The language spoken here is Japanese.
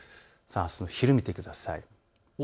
あすの昼を見てください。